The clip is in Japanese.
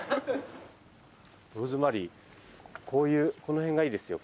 ローズマリーこういうこの辺がいいですよ。